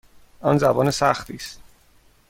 آن زبان سختی است.